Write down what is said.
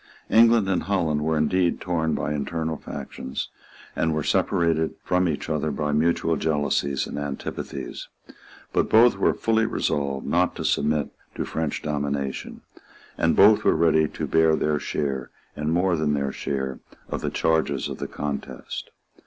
England and Holland were indeed torn by internal factions, and were separated from each other by mutual jealousies and antipathies; but both were fully resolved not to submit to French domination; and both were ready to bear their share, and more than their share, of the charges of the contest.